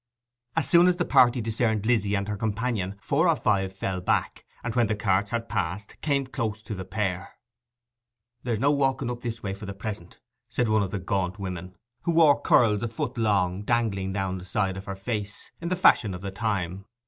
As soon as the party discerned Lizzy and her companion four or five fell back, and when the carts had passed, came close to the pair. 'There is no walking up this way for the present,' said one of the gaunt women, who wore curls a foot long, dangling down the sides of her face, in the fashion of the time.